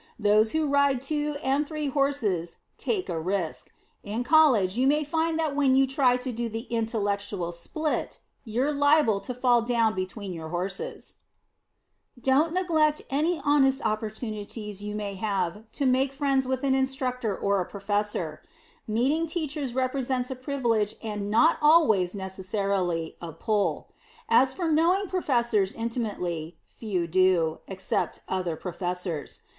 Those who ride two and three horses take a risk. In College you may find that when you try to do the intellectual split, you're liable to fall down between your horses. [Sidenote: ABOUT MEETING PROFESSORS] Don't neglect any honest opportunities you may have to make friends with an Instructor or a Professor. Meeting Teachers represents a privilege and not always necessarily a pull. As for knowing Professors intimately, few do, except other Professors.